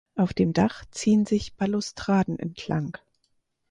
Auf dem Dach ziehen sich Balustraden entlang.